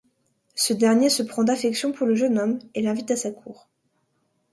Ce dernier se prend d’affection pour le jeune homme et l’invite à sa cour.